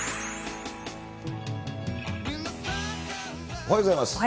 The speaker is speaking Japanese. おはようございます。